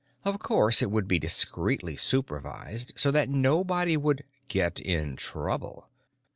Of course it would be discreetly supervised so that nobody would Get In Trouble.